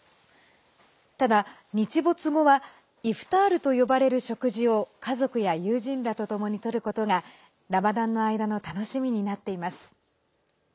ただ、日没後はイフタールと呼ばれる食事を家族や友人らと共にとることがラマダンの間の楽しみになっています。